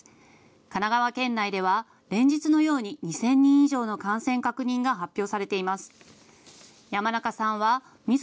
神奈川県内では連日のように２０００人以上の感染確認が発表されています。